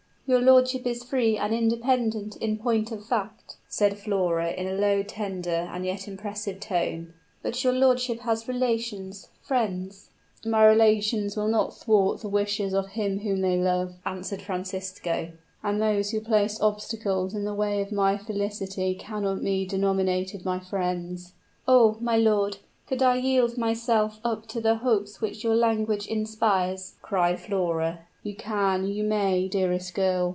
"Your lordship is free and independent in point of fact," said Flora, in a low, tender and yet impressive tone; "but your lordship has relations friends." "My relations will not thwart the wishes of him whom they love," answered Francisco; "and those who place obstacles in the way of my felicity cannot be denominated my friends." "Oh! my lord could I yield myself up to the hopes which your language inspires!" cried Flora. "You can you may, dearest girl!"